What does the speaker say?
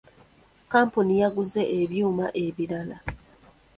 Kkampuni yaguze ebyuma ebirala.